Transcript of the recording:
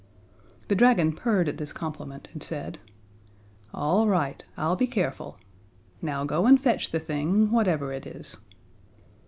The dragon purred at this compliment and said: "All right, I'll be careful. Now go and fetch the thing, whatever it is."